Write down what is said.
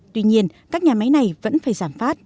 tuy nhiên các nhà máy này vẫn phải giảm phát